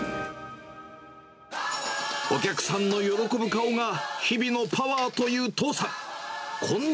お客さんの喜ぶ顔が日々のパワーという父さん。